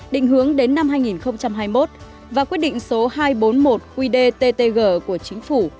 định hướng đến năm hai nghìn hai mươi một và quyết định số hai trăm bốn mươi một qdttg của chính phủ